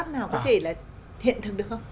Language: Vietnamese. nó có thể là hiện thực được không